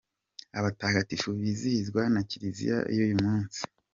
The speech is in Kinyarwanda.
Abatagatifu bizihizwa na Kiliziya uyu munsi:.